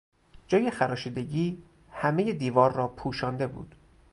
جای خراشیدگی همهی دیوار را پوشانده بود.